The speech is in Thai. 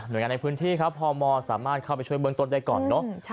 โดยงานในพื้นที่ครับพมสามารถเข้าไปช่วยเบื้องต้นได้ก่อนเนอะ